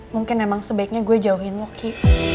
mungkin emang sebaiknya gue jauhin lo ki